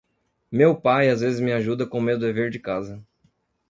Meu pai às vezes me ajuda com meu dever de casa.